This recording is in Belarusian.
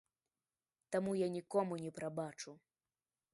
Таму я нікому не прабачу.